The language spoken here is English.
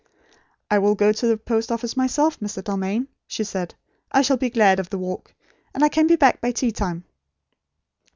"I will go to the post office myself, Mr. Dalmain," she said. "I shall be glad of the walk; and I can be back by tea time."